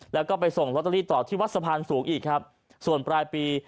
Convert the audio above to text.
แล้วก็ไปส่งลอตเตอรี่ต่อที่วัดสะพานสูงอีกครับส่วนปลายปี